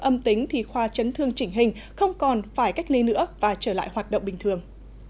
âm tính thì khoa chấn thương chỉnh hình không còn phải cách ly nữa và trở lại hoạt động bình thường